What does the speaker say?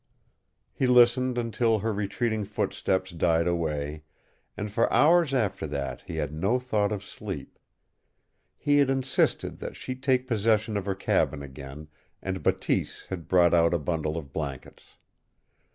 He listened until her retreating footsteps died away, and for hours after that he had no thought of sleep. He had insisted that she take possession of her cabin again, and Bateese had brought out a bundle of blankets.